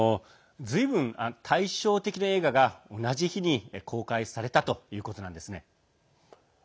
ずいぶん、対照的な映画が同じ日に公開されたということなんですね。